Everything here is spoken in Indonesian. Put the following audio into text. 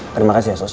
terima kasih ya sus